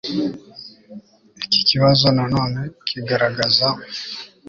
iki kibazo na none kigaragaza